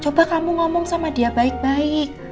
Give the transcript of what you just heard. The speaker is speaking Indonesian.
coba kamu ngomong sama dia baik baik